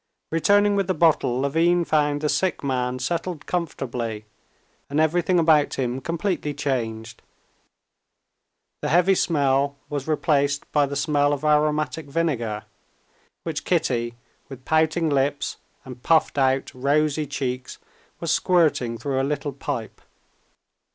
Returning with the bottle, Levin found the sick man settled comfortably and everything about him completely changed. The heavy smell was replaced by the smell of aromatic vinegar, which Kitty with pouting lips and puffed out, rosy cheeks was squirting through a little pipe.